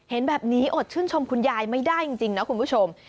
เห็นแบบนี้อดชื่นชมคุณยายไม่ได้จริงนะคุณผู้ชม